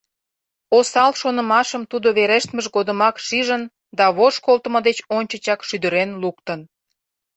Осал шонымашым тудо верештмыж годымак шижын да вож колтымо деч ончычак шӱдырен луктын.